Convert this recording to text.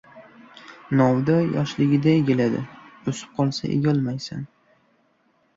• Novda yoshligida egiladi, o‘sib qolsa egolmaysan.